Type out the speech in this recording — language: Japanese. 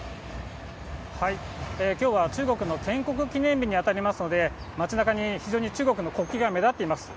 きょうは、中国の建国記念日に当たりますので、町なかに非常に中国の国旗が目立っています。